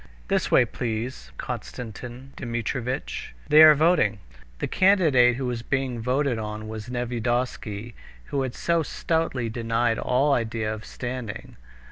"This way, please, Konstantin Dmitrievitch; they are voting." The candidate who was being voted on was Nevyedovsky, who had so stoutly denied all idea of standing.